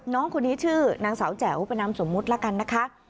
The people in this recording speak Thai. น้องคนนี้ชื่อนางสาวแจ๋วเป็นนามสมมุติแล้วกันนะคะ